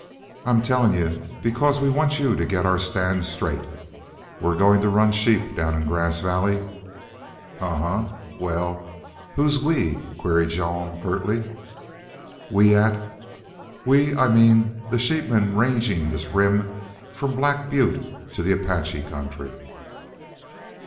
I'm tellin' you because we want you to git our stand right. We're goin' to run sheep down in Grass Valley." "Ahuh! Well, who's we?" queried Jean, curtly. "What at? ... We I mean the sheepmen rangin' this Rim from Black Butte to the Apache country."